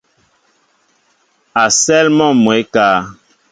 A sέέl mɔ mwɛɛ ékáá.